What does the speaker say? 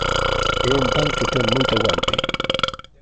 É un pan que ten moito aguante.